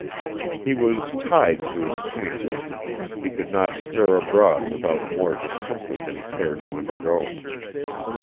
He was tied to his camp. He could not stir abroad without more discomfort than he cared to undergo.